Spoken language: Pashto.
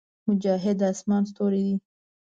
مجاهد د اسمان ستوری دی.